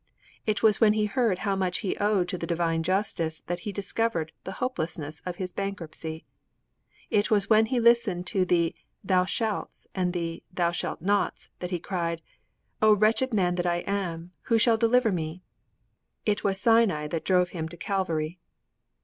It was when he heard how much he owed to the divine justice that he discovered the hopelessness of his bankruptcy. It was when he listened to the Thou shalts and the Thou shalt nots that he cried, 'O wretched man that I am: who shall deliver me?' It was Sinai that drove him to Calvary.